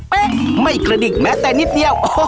ไม่กระดิกแม้แต่นิดเดียว